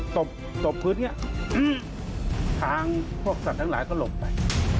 ตบตบพื้นนี้ทางพวกสัตว์ทั้งหลายก็หลบไป